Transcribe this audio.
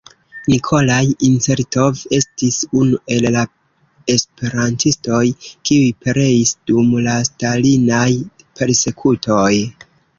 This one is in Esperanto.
Nikolaj Incertov estis unu el la esperantistoj, kiuj pereis dum la Stalinaj persekutoj.